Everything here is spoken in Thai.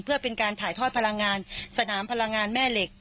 เพื่อเป็นการถ่ายทอดพลังงานสนามพลังงานแม่เหล็ก